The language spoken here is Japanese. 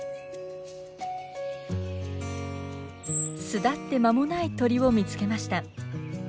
巣立って間もない鳥を見つけました。